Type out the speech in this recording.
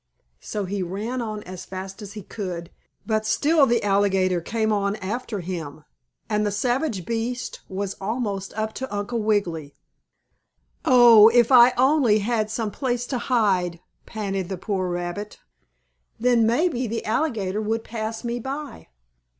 So he ran on as fast as he could, but still the alligator came on after him, and the savage beast was almost up to Uncle Wiggily. "Oh, if I only had some place to hide!" panted the poor rabbit. "Then maybe the alligator would pass me by."